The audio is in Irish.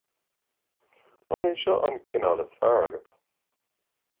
An é seo an cineál is fearr agat?